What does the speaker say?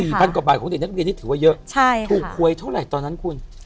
พันกว่าบาทของเด็กนักเรียนนี่ถือว่าเยอะใช่ค่ะถูกหวยเท่าไหร่ตอนนั้นคุณ